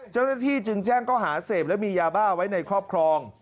เจ้าหน้าที่จึงแจ้งเขาหาเสพและมียาบ้าไว้ในครอบครอง